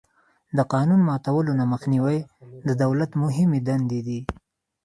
د قانون ماتولو نه مخنیوی د دولت مهمې دندې دي.